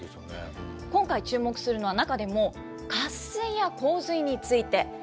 今回注目するのは、中でも渇水や洪水について。